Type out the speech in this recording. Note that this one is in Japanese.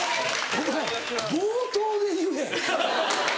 お前冒頭で言え！